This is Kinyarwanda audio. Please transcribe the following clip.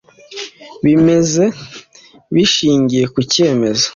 Bimeze bishingiye ku cyemezo